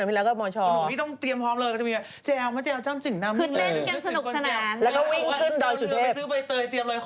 บางคนเขามอชอมอชอน่ารัก